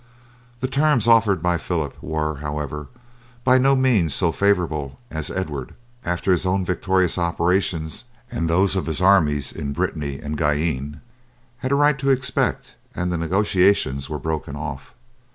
The terms offered by Phillip were, however, by no means so favourable as Edward, after his own victorious operations and those of his armies in Brittany and Guienne, had a right to expect and the negotiations were broken off.